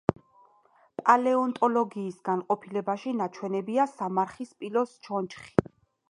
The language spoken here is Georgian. პალეონტოლოგიის განყოფილებაში ნაჩვენებია ნამარხი სპილოს ჩონჩხი.